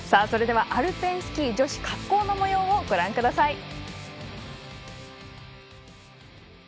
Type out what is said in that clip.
それではアルペンスキー女子滑降のもようをご覧ください。